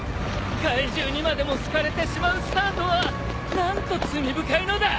怪獣にまでも好かれてしまうスターとは何と罪深いのだ！